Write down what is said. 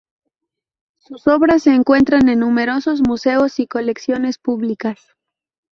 Sus obras se encuentran en numerosos museos y colecciones públicas.